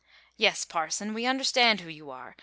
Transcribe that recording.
"Yes, parson, we understand who you are.